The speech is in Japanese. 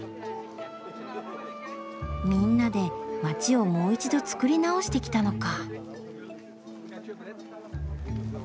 みんなで街をもう一度つくり直してきたのか。